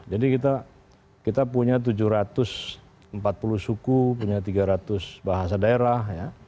jadi kita punya tujuh ratus empat puluh suku punya tiga ratus bahasa daerah